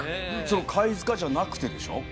その貝塚じゃなくてでしょ？